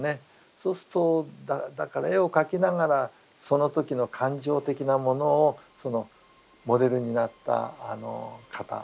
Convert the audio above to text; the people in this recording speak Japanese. そうするとだから絵を描きながらその時の感情的なものをモデルになった方